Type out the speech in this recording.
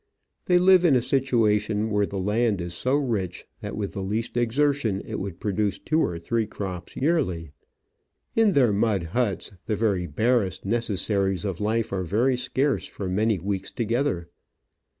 They live in a situation where the land is so rich that with the least exertion it w^ould produce two or three crops yearly. In their mud huts the very barest Digitized by VjOOQ IC 62 Travels and Adventures necessaries of life are very scarce for many weeks together.